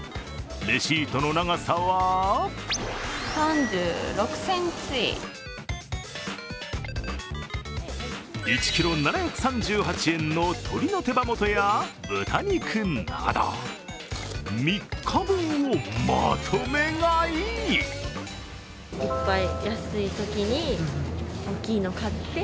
レシートの長さは１ｋｇ７３８円の鶏の手羽元や豚肉など３日分をまとめ買い。